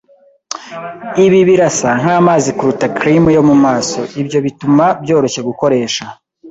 Ibi birasa nkamazi kuruta cream yo mumaso. Ibyo bituma byoroshye gukoresha.